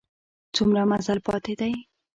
څومره مزل پاته دی؟